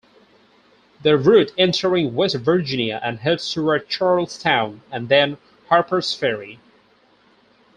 The route entering West Virginia and heads toward Charles Town and then Harpers Ferry.